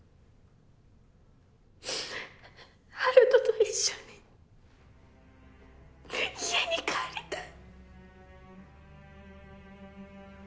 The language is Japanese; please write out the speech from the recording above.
陽斗と一緒に家に帰りたい。